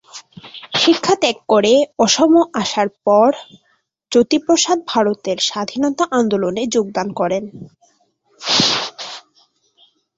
শিক্ষা ত্যাগ করে অসম আসার পর জ্যোতিপ্রসাদ ভারতের স্বাধীনতা আন্দোলনে যোগদান করেন।